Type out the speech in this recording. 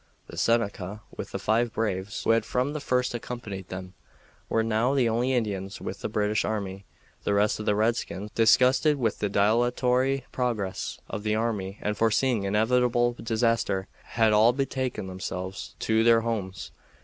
The Seneca, with the five braves who had from the first accompanied them, were now the only Indians with the British army. The rest of the redskins, disgusted with the dilatory progress of the army and foreseeing inevitable disaster, had all betaken themselves to their homes.